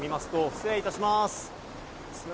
失礼いたします。